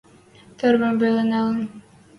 Тӹрвӹм веле нылен.